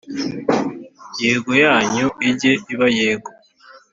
Yego yanyu ijye iba Yego